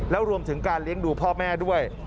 แล้วรวมถึงการเลี้ยงดูพ่อแม่ด้วย